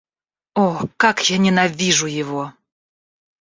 О, как я ненавижу его!